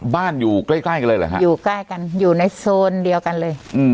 อยู่ใกล้ใกล้กันเลยเหรอฮะอยู่ใกล้กันอยู่ในโซนเดียวกันเลย